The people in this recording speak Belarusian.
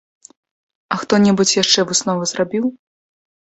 А хто-небудзь яшчэ высновы зрабіў?